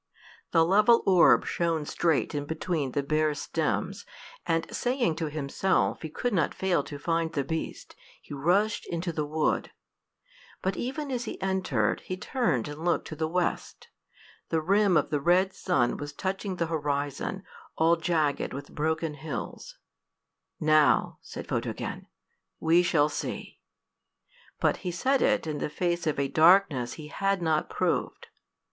The level orb shone straight in between the bare stems, and saying to himself he could not fail to find the beast, he rushed into the wood. But even as he entered, he turned and looked to the west. The rim of the red sun was touching the horizon, all jagged with broken hills. "Now," said Photogen, "we shall see;" but he said it in the face of a darkness he had not proved.